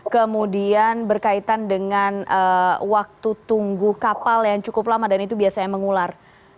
kemudian berkaitan dengan waktu tunggu kapal yang cukup lama dan itu biasanya mengular